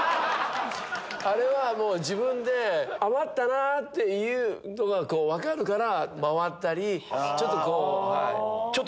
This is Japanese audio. あれは自分で余ったなというのが分かるから回ったりちょっとこう。